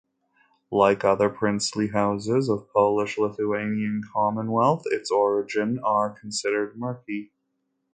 Like other princely houses of Polish-Lithuanian Commonwealth, its origin are considered murky.